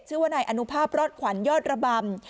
ชื่อว่านายอนุภาพรอดขวัญยอดระบำ